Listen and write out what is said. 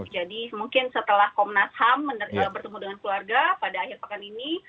jadi mungkin setelah komnas ham bertemu dengan keluarga pada akhir pekan ini